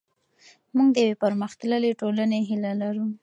موږ د یوې پرمختللې ټولنې هیله لرو.